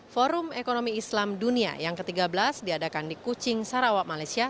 forum ekonomi islam dunia yang ke tiga belas diadakan di kucing sarawak malaysia